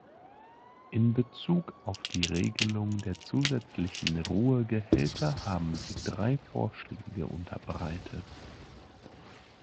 In bezug auf die Regelung der zusätzlichen Ruhegehälter haben Sie drei Vorschläge unterbreitet.